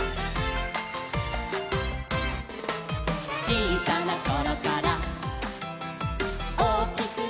「ちいさなころからおおきくなっても」